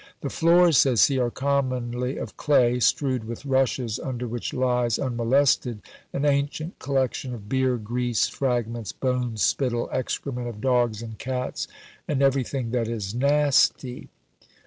"The floors," says he, "are commonly of clay, strewed with rushes; under which lies, unmolested, an ancient collection of beer, grease, fragments, bones, spittle, excrement of dogs and cats, and everything that is nasty."